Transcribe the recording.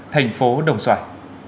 thành phố đồng xoài